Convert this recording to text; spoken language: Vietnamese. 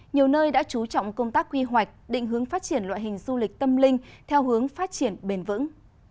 nhiều nơi đã chú trọng công tác quy hoạch định hướng phát triển loại hình du lịch tâm linh theo hướng phát triển bền vững